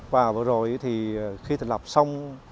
và vừa rồi khi thành lập xong